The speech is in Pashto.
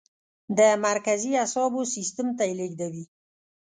د مرکزي اعصابو سیستم ته یې لیږدوي.